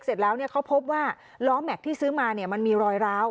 เสร็จแล้วเขาพบว่าล้อแม็กซ์ที่ซื้อมามันมีรอยร้าว